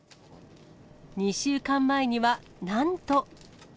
２週間前にはなんと。